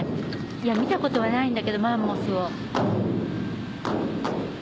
見たことはないんだけどマンモスを。